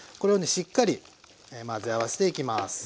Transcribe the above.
しっかり混ぜ合わせていきます。